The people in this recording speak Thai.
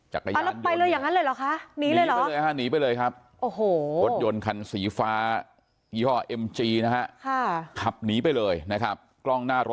โห้ยอาละไปกันเลยฮะเกมมีนี่เลยหรอ